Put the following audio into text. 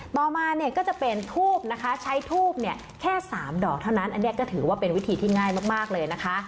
ต่อมาเนี่ยก็จะเป็นทูบนะคะใช้ทูบเนี่ยแค่๓ดอกเท่านั้นอันนี้ก็ถือว่าเป็นวิธีที่ง่ายมากเลยนะคะ